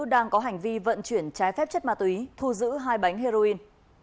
đang có hành vi vận chuyển trái phép chất ma túy thu giữ hai bánh heroin